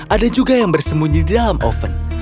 ada juga yang bersembunyi dalam oven